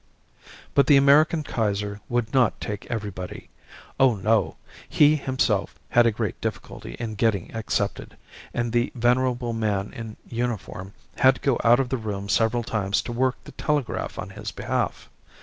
"But the American Kaiser would not take everybody. Oh, no! He himself had a great difficulty in getting accepted, and the venerable man in uniform had to go out of the room several times to work the telegraph on his behalf.